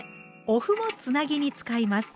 お麩もつなぎに使います。